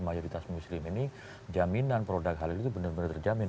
mayoritas muslim ini jaminan produk halal itu benar benar terjamin